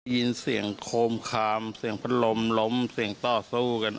ได้ยินเสียงโคมคามเสียงพัดลมล้มเสียงต่อสู้กัน